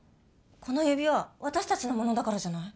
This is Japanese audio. この指輪私たちの物だからじゃない？